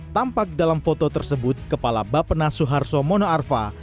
tampak dalam foto tersebut kepala bapena suharto mona arfa